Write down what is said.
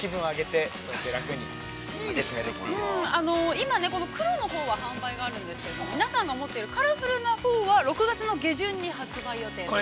◆今、黒のほうは販売があるんですけれども、皆さんが持っている、カラフルなほうは、６月の下旬に発売予定です。